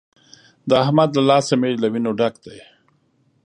د احمد له لاسه مې له وينو ډک دی.